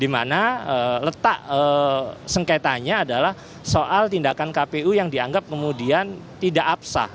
dimana letak sengketanya adalah soal tindakan kpu yang dianggap kemudian tidak apsah